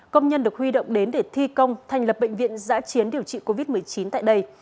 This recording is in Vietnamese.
công nhân được huy động đến để thi công thành lập bệnh viện giã chiến điều trị covid một mươi chín tại đây